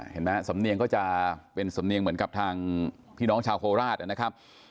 เห็นไหมสำเนียงก็จะเป็นสำเนียงเหมือนกับทางพี่น้องชาวโคราชนะครับ